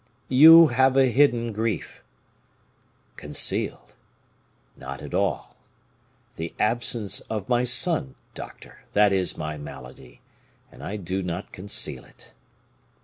"You have a hidden grief." "Concealed! not at all; the absence of my son, doctor; that is my malady, and I do not conceal it."